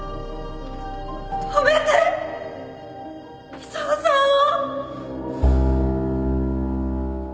止めて井沢さんを。